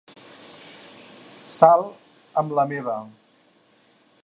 Sal amb la meva.